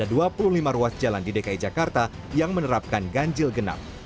ada dua puluh lima ruas jalan di dki jakarta yang menerapkan ganjil genap